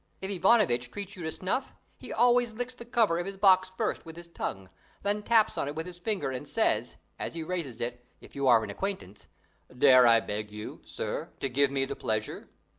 If Ivanovitch treats you to snuff, he always licks the cover of his box first with his tongue, then taps on it with his finger and says, as he raises it, if you are an acquaintance, "Dare I beg you, sir, to give me the pleasure?"